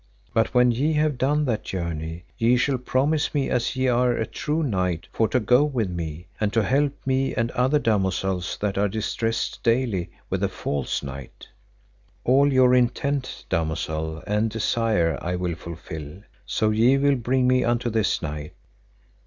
But when ye have done that journey ye shall promise me as ye are a true knight for to go with me, and to help me and other damosels that are distressed daily with a false knight. All your intent, damosel, and desire I will fulfil, so ye will bring me unto this knight.